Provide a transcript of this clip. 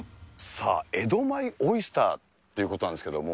さあ、江戸前オイスターっていうことなんですけども。